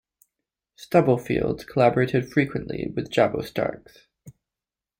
Stubblefield collaborated frequently with "Jabo" Starks.